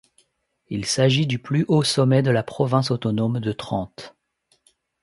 Il s'agit du plus haut sommet de la province autonome de Trente.